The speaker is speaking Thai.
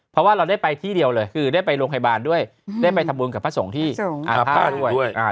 เพราะว่าเราได้ไปที่เดียวเลยคือได้ไปโรงพยาบาลด้วยได้ไปทำบุญกับพระสงฆ์ที่อาภาด้วย